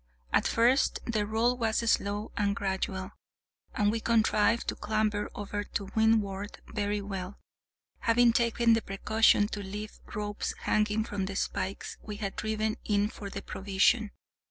At first the roll was slow and gradual, and we contrived to clamber over to windward very well, having taken the precaution to leave ropes hanging from the spikes we had driven in for the provision.